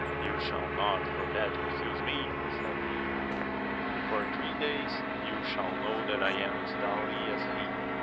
You shall not for that refuse me, said he ; before three days you shall know that I am as doughty as he.